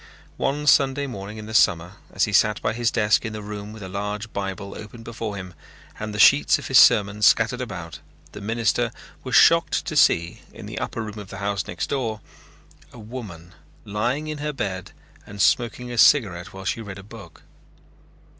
One Sunday morning in the summer as he sat by his desk in the room with a large Bible opened before him, and the sheets of his sermon scattered about, the minister was shocked to see, in the upper room of the house next door, a woman lying in her bed and smoking a cigarette while she read a book.